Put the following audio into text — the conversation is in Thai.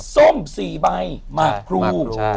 ซม๔ใบหมาครู